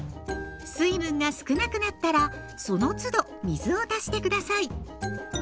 水分が少なくなったらそのつど水を足して下さい。